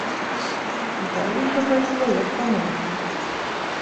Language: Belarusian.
І далей усё пайшло, як па масле.